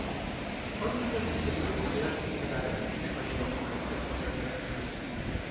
آن گونه موسیقی مدرن که برای گوشهای نا آموخته خوشایند نیست